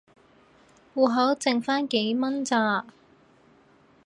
戶口剩番幾蚊咋